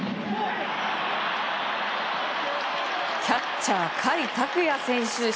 キャッチャー、甲斐拓也選手